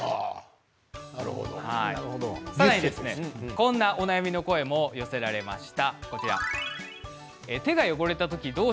こんなお悩みの声も寄せられました。